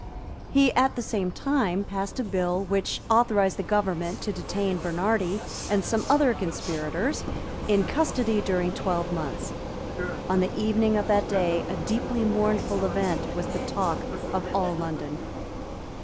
He at the same time passed a bill which authorised the government to detain Bernardi and some other conspirators in custody during twelve months. On the evening of that day a deeply mournful event was the talk of all London.